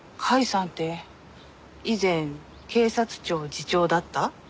甲斐さんって以前警察庁次長だった？